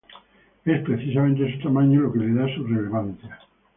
Es precisamente su tamaño lo que le da su relevancia.